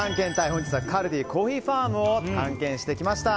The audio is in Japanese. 本日はカルディコーヒーファームを探検してきました。